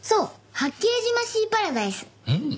八景島シーパラダイス。